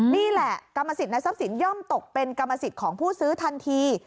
นี่แหละกรรมสิทธิ์ในทรัพย์สินย่อมตกเป็นกรรมสิทธิ์ของผู้ซื้อทันที